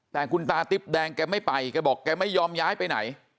แต่คุณตาติ๊บแดงแกไม่ไปแกบอกแกไม่ยอมย้ายไปไหน